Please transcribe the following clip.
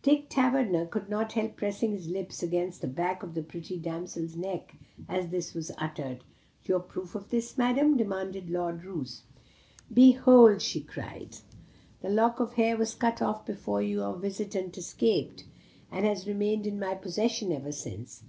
Dick Taverner could not help pressing his lips against the back of the pretty damsel's neck as this was uttered. "Your proof of this, Madam?" demanded Lord Roos. "Behold it!" she cried. "This look of hair was cut off before your visitant escaped, and has remained in my possession ever since.